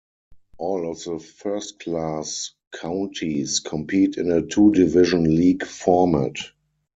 All of the first-class counties compete in a two-division league format.